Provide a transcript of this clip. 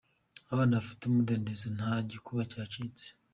Abana bafite umudendezo nta gikuba cyacitse.